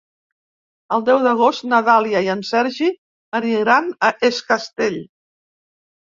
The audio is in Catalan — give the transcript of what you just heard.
El deu d'agost na Dàlia i en Sergi aniran a Es Castell.